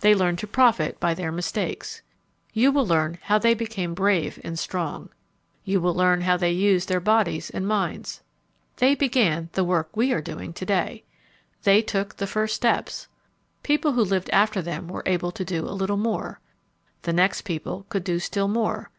They learned to profit by their mistakes. You will learn how they became brave and strong. You will learn how they used their bodies and minds. They began the work we are doing to day. They took the first steps. People who lived after them were able to do a little more. The next people could do still more.